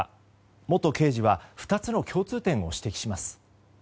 元刑事は２つの共通点を指摘します。